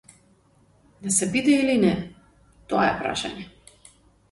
Да се биде или не, тоа е прашање.